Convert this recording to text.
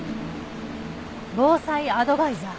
防災アドバイザー。